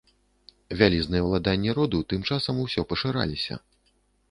Вялізныя ўладанні роду тым часам усё пашыраліся.